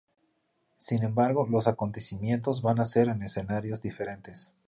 Sin embargo, los acontecimientos van a ser en escenarios diferentes.